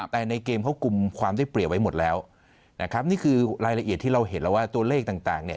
แต่ในเกมเขากลุ่มความได้เปรียบไว้หมดแล้วนะครับนี่คือรายละเอียดที่เราเห็นแล้วว่าตัวเลขต่างเนี่ย